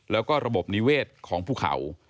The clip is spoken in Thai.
แล้วก็ระบบนิเวศของภูเขา